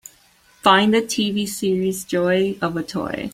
Find the TV series Joy Of A Toy